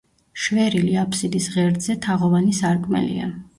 შვერილი აფსიდის ღერძზე თაღოვანი სარკმელია.